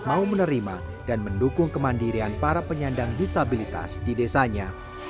mau menerima dan mendukung kemandirian para penyandang disabilitas di desanya